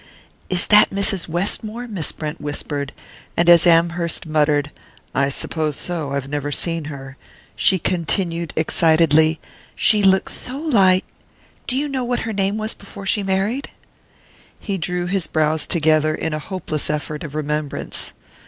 "Is that Mrs. Westmore?" Miss Brent whispered; and as Amherst muttered: "I suppose so; I've never seen her " she continued excitedly: "She looks so like do you know what her name was before she married?" He drew his brows together in a hopeless effort of remembrance.